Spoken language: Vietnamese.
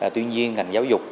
tuy nhiên ngành giáo dục